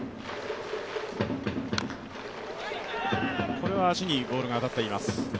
これは足にボールが当たっています。